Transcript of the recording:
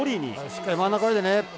しっかり真ん中泳いでね。